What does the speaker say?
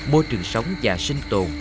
môi trường sống và sinh tồn